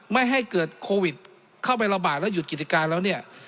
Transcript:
ไม่ให้เกิดโควิดเข้าไประบาดแล้วหยุดกิจการแล้วเนี่ย